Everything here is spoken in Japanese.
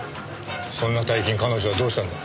そんな大金彼女はどうしたんだ？